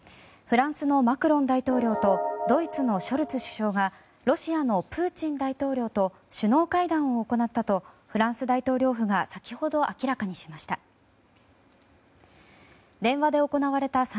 フランスのマクロン大統領とドイツのショルツ首相がロシアのプーチン大統領と首脳会談を行ったとフランス大統領府が先ほど明らかにしました。